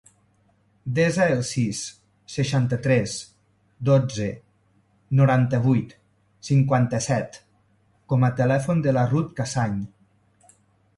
Desa el sis, seixanta-tres, dotze, noranta-vuit, cinquanta-set com a telèfon de la Ruth Casañ.